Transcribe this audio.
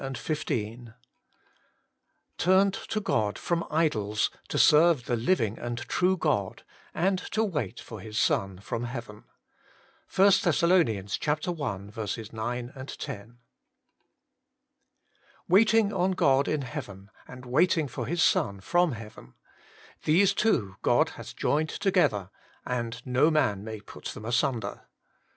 * Turned to God from idols to serve the living and true God, and to wait for His Son from heaven.' 1 Thess. i. 9, 10. WAITING on God in heaven, and waiting for His Son from heaven, these two God hath joined together, and no man may put them asunder.